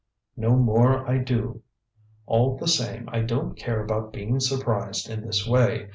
"No more I do. All the same, I don't care about being surprised in this way.